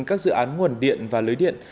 các dự án nguồn điện và lưới điện